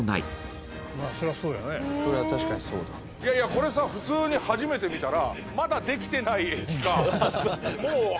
これさ普通に、初めて見たら。